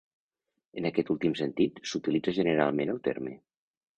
En aquest últim sentit s'utilitza generalment el terme.